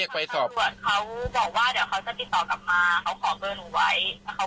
ก็ยังไม่เธอร่ายค่ะแซม